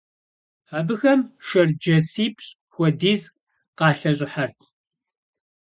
Абыхэм шэрджэсипщӀ хуэдиз къалъэщӀыхьэрт.